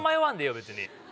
別に。